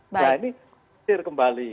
nah ini kembali